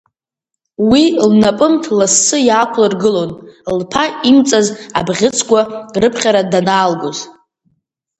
Уи лнапымҭ лассы иаақәлыргылон, лԥа имҵаз абӷьыцқәа рыԥхьара данаалгоз.